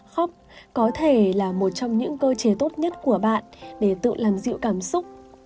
khóc có thể là một trong những cơ chế tốt nhất của bạn để tự làm dịu cảm xúc